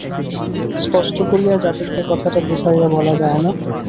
স্পষ্ট করিয়া যাদবকে কথাটা বুঝাইয়া বলা যায় না।